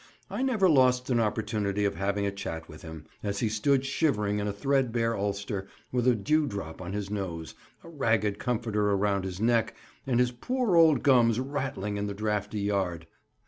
I never lost an opportunity of having a chat with him, as he stood shivering in a threadbare ulster, with a dew drop on his nose, a ragged comforter round his neck, and his poor old gums rattling in the drafty yard.